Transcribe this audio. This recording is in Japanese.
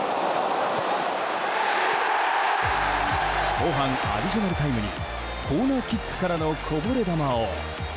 後半アディショナルタイムにコーナーキックからのこぼれ球を。